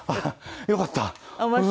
よかった！